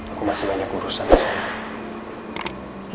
aku masih banyak urusan di sana